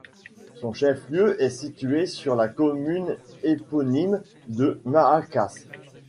Son chef-lieu est situé sur la commune éponyme de Mâatkas.